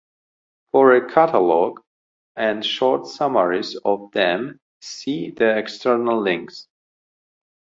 For a catalogue and short summaries of them see the External links.